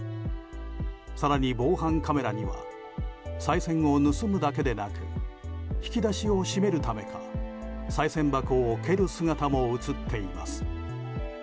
更に防犯カメラにはさい銭を盗むだけでなく引き出しを閉めるためかさい銭箱を蹴る姿も映っています。